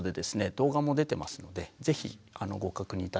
動画も出てますので是非ご確認頂ければと思います。